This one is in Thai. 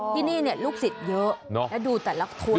ที่นี่ลูกศิษย์เยอะและดูแต่ละคน